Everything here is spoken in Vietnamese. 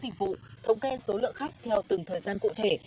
dịch vụ thống kê số lượng khách theo từng thời gian cụ thể